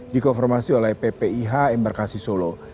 dikonformasi oleh ppih embarkasi solo